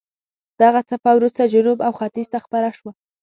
دغه څپه وروسته جنوب او ختیځ ته خپره شوه.